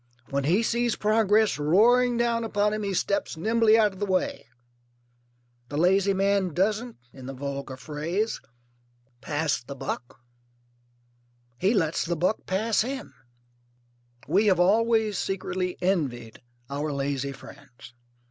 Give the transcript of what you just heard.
When he sees progress roaring down upon him he steps nimbly out of the way. The lazy man doesn't (in the vulgar phrase) pass the buck. He lets the buck pass him. We have always secretly envied our lazy friends.